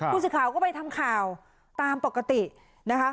ผู้สื่อข่าวก็ไปทำข่าวตามปกตินะคะ